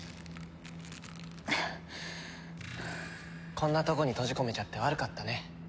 こんなとこに閉じ込めちゃって悪かったね